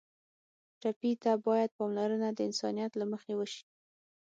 ټپي ته باید پاملرنه د انسانیت له مخې وشي.